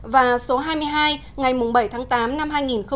và số hai mươi hai ngày bảy tháng tám năm hai nghìn một mươi chín